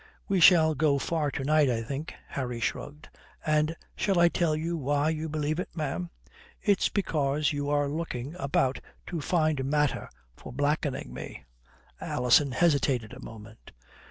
"We shall go far to night, I think," Harry shrugged. "And shall I tell you why you believe it, ma'am? It's because you are looking about to find matter for blackening me." Alison hesitated a moment.